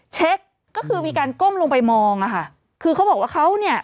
เช็คก็คือมีการก้มลงไปมองอ่ะค่ะคือเขาบอกว่าเขาเนี่ย